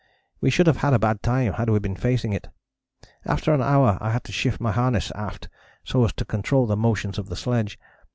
We should have had a bad time had we been facing it. After an hour I had to shift my harness aft so as to control the motions of the sledge.